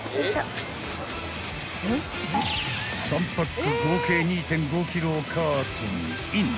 ［３パック合計２．５ｋｇをカートにイン］